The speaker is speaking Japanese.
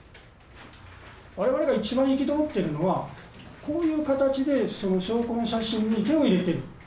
我々が一番憤ってるのはこういう形で証拠の写真に手を入れてる。